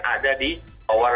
ada di tower lima